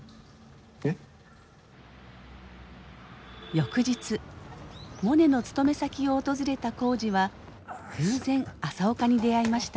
翌日モネの勤め先を訪れた耕治は偶然朝岡に出会いました。